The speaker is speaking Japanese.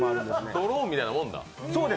ドローンみたいなものだ。